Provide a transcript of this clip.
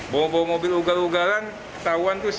bawa bawa mobil ugar ugaran ketahuan itu selesai